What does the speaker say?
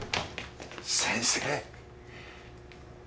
先生。